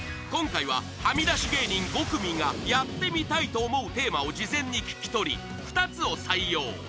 今回ははみ出し芸人５組がやってみたいと思うテーマを事前に聞き取り２つを採用